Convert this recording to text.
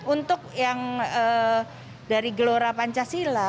untuk yang dari gelora pancasila